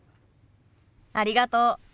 ありがとう。